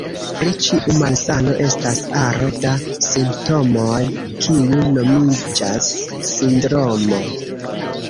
Pri ĉiu malsano estas aro da simptomoj, kiu nomiĝas sindromo.